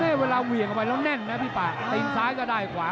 ซึกหรือเปล่า